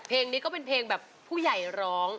เพลงนี้ก็เป็นเพลงแบบผู้ใหญ่ร้อง